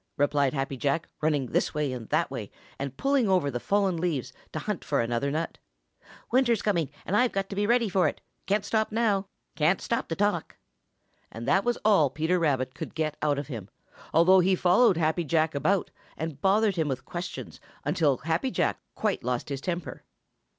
replied Happy Jack, running this way and that way, and pulling over the fallen leaves to hunt for another nut. "Winter's coming, and I've got to be ready for it. Can't stop to talk." And that was all Peter Rabbit could get out of him, although he followed Happy Jack about and bothered him with questions until Happy Jack quite lost his temper.